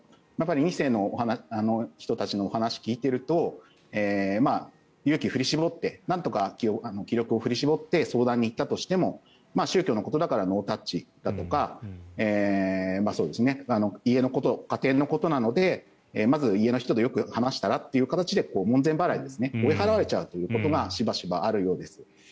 ２世の人たちのお話を聞いていると勇気を振り絞ってなんとか気力を振り絞って相談に行ったとしても宗教のことだからノータッチだとか家のこと、家庭のことなのでまず家の人とよく話したら？という形で門前払い追い払われちゃうということがしばしばあるようです。